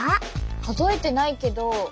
数えてないけど。